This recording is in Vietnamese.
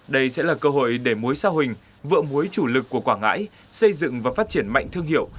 đây sẽ là cơ hội để muối sa huỳnh vợ muối chủ lực của quảng ngãi xây dựng và phát triển mạnh thương hiệu